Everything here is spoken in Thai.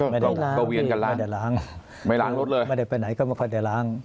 ไม่ได้ล้างไม่ได้ล้างไม่ล้างรถเลยไม่ได้ไปไหนก็ไม่ได้ล้าง